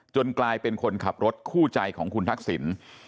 กลายเป็นคนขับรถคู่ใจของคุณทักษิณ